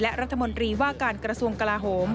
และรัฐมนตรีว่าการกระทรวงกลาโหม